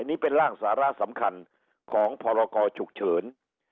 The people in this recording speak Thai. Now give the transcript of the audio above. นี่เป็นร่างสาระสำคัญของพรกรฉุกเฉิน